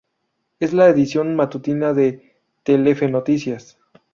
Es la edición matutina de Telefe Noticias.